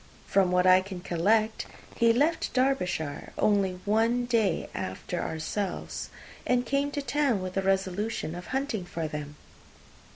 From what I can collect, he left Derbyshire only one day after ourselves, and came to town with the resolution of hunting for them.